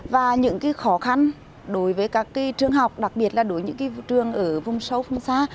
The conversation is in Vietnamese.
và những khó khăn đối với các trường học đặc biệt là đối với những trường ở vùng sâu vùng xa